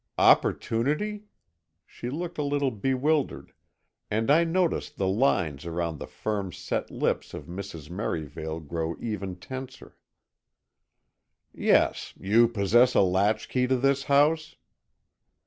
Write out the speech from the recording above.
"Opportunity?" she looked a little bewildered, and I noticed the lines around the firm set lips of Mrs. Merivale grow even tenser. "Yes, you possess a latchkey to this house."